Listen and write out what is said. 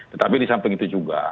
tetapi di samping itu juga